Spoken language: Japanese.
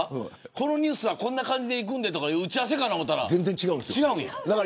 このニュースはこんな感じでという打ち合わせかと思ったら違うのか。